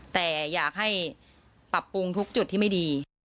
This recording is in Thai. แต่อยากให้ปรับปรุงทุกจุดที่ไม่ดี